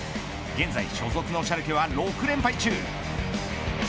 現在所属のシャルケは６連敗中。